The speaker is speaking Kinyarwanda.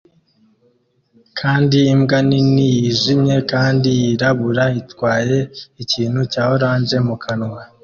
kandi imbwa nini yijimye kandi yirabura itwaye ikintu cya orange mu kanwa